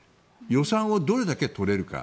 予算をどれだけ取れるか。